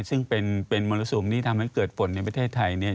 ซึ่งเป็นมรสุมที่ทำให้เกิดฝนในประเทศไทย